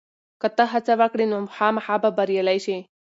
که ته هڅه وکړې، نو خامخا به بریالی شې.